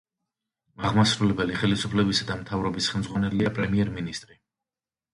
აღმასრულებელი ხელისუფლებისა და მთავრობის ხელმძღვანელია პრემიერ-მინისტრი.